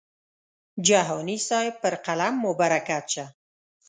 جهاني صاحب پر قلم مو برکت شه.